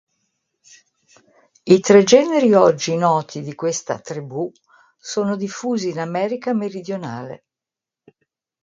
I tre generi oggi noti di questa tribù sono diffusi in America meridionale.